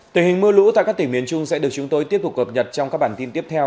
tình hình mưa lũ tại các tỉnh miền trung sẽ được chúng tôi tiếp tục cập nhật trong các bản tin tiếp theo